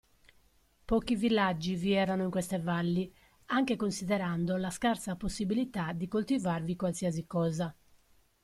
Pochi villaggi vi erano in queste valli, anche considerando la scarsa possibilità di coltivarvi qualsiasi cosa.